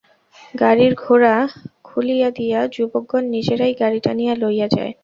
গাড়ির ঘোড়া খুলিয়া দিয়া যুবকগণ নিজেরাই গাড়ি টানিয়া লইয়া যায়।